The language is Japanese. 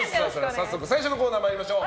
早速最初のコーナー参りましょう。